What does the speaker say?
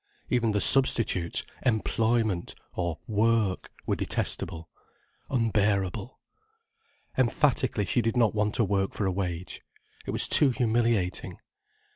Even the substitutes, employment or work, were detestable, unbearable. Emphatically, she did not want to work for a wage. It was too humiliating.